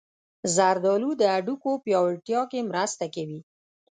زردالو د هډوکو پیاوړتیا کې مرسته کوي.